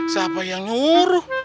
siapa yang nyuruh